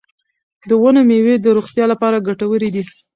د ونو میوې د روغتیا لپاره ګټورې دي.